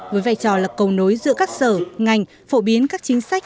với vai trò là cầu nối giữa các sở ngành phổ biến các chính sách